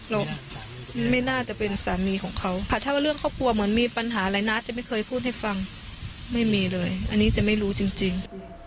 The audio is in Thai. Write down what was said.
เราไม่น่าจะเป็นสามีของเขาค่ะถ้าว่าเรื่องครอบครัวเหมือนมีปัญหาอะไรนะจะไม่เคยพูดให้ฟังไม่มีเลยอันนี้จะไม่รู้จริง